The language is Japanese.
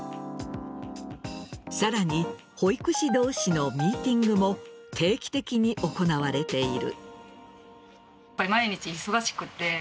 さらに保育士同士のミーティングも定期的に行われている。